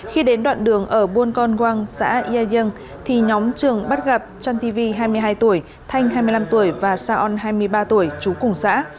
khi đến đoạn đường ở buôn con quang xã yai dương thì nhóm trường bắt gặp trân tivi hai mươi hai tuổi thanh hai mươi năm tuổi và saon hai mươi ba tuổi chú cùng xã